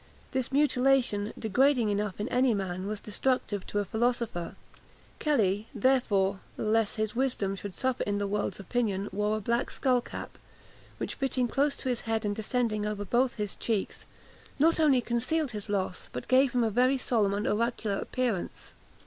This mutilation, degrading enough in any man, was destructive to a philosopher; Kelly, therefore, lest his wisdom should suffer in the world's opinion, wore a black skull cap, which, fitting close to his head, and descending over both his cheeks, not only concealed his loss, but gave him a very solemn and oracular appearance.